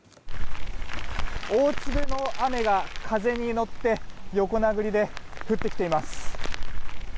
大粒の雨が風に乗って横殴りで降ってきています。